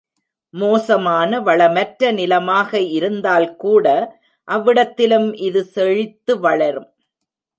மோசமான வளமற்ற நிலமாக இருந்தால் கூட அவ்விடத்திலும் இது செழித்து வளரும்.